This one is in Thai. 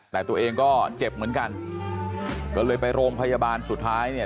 แต่ตัวเองก็เจ็บเหมือนกันก็เลยไปโรงพยาบาลสุดท้ายเนี่ย